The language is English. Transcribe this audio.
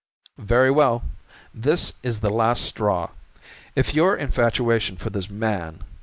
"Very well. This is the last straw. In your infatuation for this man.